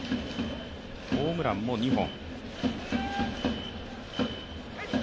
ホームランも２本。